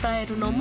も